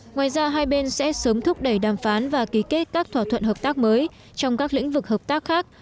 ngoài ra hai bên sẽ sớm thúc đẩy đàm phán và ký kết các thỏa thuận hợp tác mới trong các lĩnh vực hợp tác khác